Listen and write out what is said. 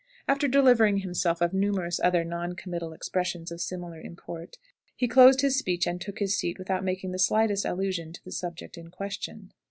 After delivering himself of numerous other non committal expressions of similar import, he closed his speech and took his seat without making the slightest allusion to the subject in question.